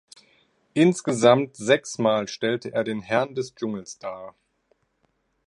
Insgesamt sechs Mal stellte er den „Herrn des Dschungels“ dar.